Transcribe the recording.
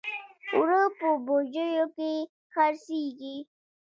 اوړه په بوجیو کې خرڅېږي